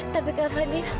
tapi kak fadil